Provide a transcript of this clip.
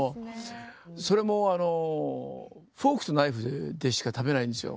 それもあのフォークとナイフでしか食べないんですよ